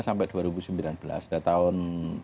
sampai dua ribu sembilan belas sudah tahun